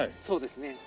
そうですね。